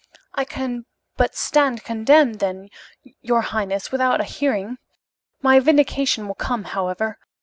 "I can but stand condemned, then, your highness, without a hearing. My vindication will come, however.